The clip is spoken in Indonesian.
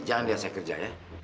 jangan lihat saya kerja ya